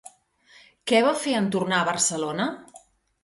Què va fer en tornar a Barcelona?